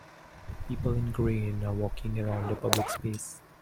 People in green are walking around a public space.